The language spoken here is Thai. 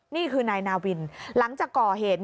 นี่คือนายนาวินหลังจากก่อเหตุ